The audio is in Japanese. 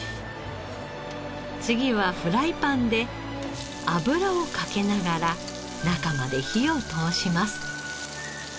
次はフライパンで油をかけながら中まで火を通します。